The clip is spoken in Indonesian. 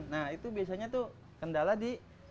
nah itu biasanya tuh kendala di